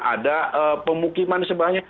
ada pemukiman di sebelahnya